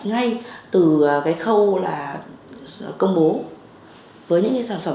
ngay từ cái khâu là công bố với những cái sản phẩm